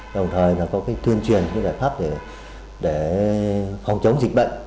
đồng thời nó có thuyên truyền có giải pháp để phòng chống dịch bệnh